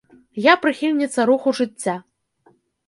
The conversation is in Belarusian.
Я прыхільніца руху жыцця.